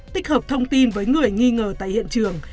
tích hợp thông tin với người nghi ngờ tại hiện trường